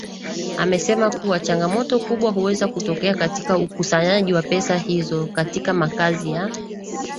Amesema kuwa changamoto kubwa huweza kutokea katika ukusanyaji wa pesa hizo katika makazi ya